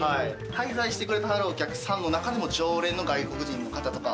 滞在してくれてはるお客さんの中にも常連の外国人の方とか。